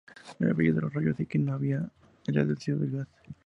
El brillo de los rayos X nos habla de la densidad del gas.